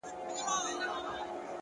مثبت فکر د ذهن کړکۍ پاکوي،